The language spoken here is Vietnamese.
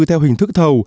theo hình thức thầu